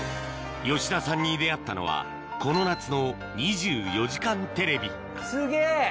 吉田さんに出会ったのはこの夏の『２４時間テレビ』すげぇ！